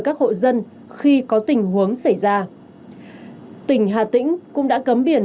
các phương tiện có thể đạt được thông báo mở biển